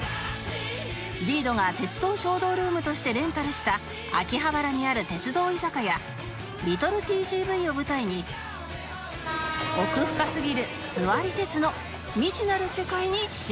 ＪＩＤＯ が鉄道衝動ルームとしてレンタルした秋葉原にある鉄道居酒屋 ＬｉｔｔｌｅＴＧＶ を舞台に奥深すぎる座り鉄の未知なる世界に出発進行！